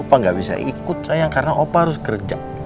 aku takut sayang karena opa harus kerja